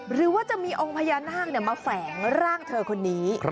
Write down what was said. หรือว่าจะมีองค์พญานาคมาแฝงร่างเธอคนนี้